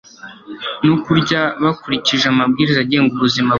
no kurya bakurikije amabwiriza agenga ubuzima bwiza